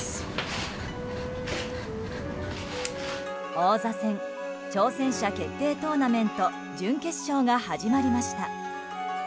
王座戦挑戦者決定トーナメント準決勝が始まりました。